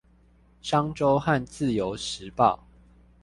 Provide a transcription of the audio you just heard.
商周和自由時報